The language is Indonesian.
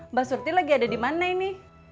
mbak surti lagi ada dimana ini